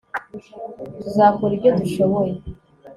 tuzakora ibyo dushoboye